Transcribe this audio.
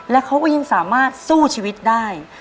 แล้วเขายังสามารถสู้ชีวิตได้